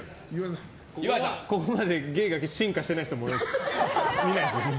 ここまで芸が進化してない人も見ないですよ。